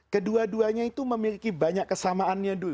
kedua duanya itu memiliki banyak kesamaannya dulu